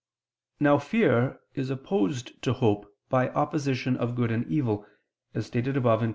Now fear is opposed to hope by opposition of good and evil, as stated above (Q.